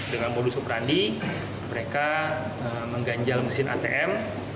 dengan modus operandi mereka mengganjal mesin atm